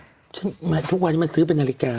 มีเงินติดตัวไปด้วยหรือไม่มันทุกวันเอามาซื้อเป็นนาฬิกา